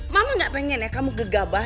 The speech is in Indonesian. mama gak pengen ya kamu gegabah